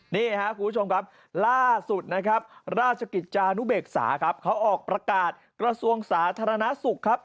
นี่ครับคุณผู้ชมครับล่าสุดนะครับราชกิจจานุเบกษาครับเขาออกประกาศกระทรวงสาธารณสุขครับ